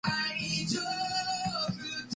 He also commanded the Ram Fleet.